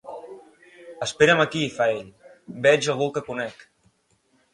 Espera'm aquí —fa ell—, veig algú que conec.